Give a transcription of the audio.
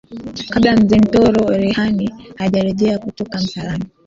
Kabla Mzee Mtoro Rehani hajarejea kutoka msalani